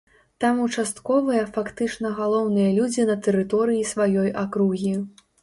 Там участковыя фактычна галоўныя людзі на тэрыторыі сваёй акругі.